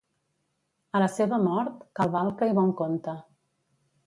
A la seva mort, Calvalca i Bonconte.